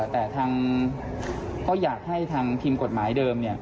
แต่ก็อยากให้ทางทีมกฎหมายเดิม